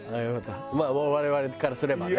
まあ我々からすればね。